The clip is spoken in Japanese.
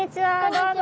どうも。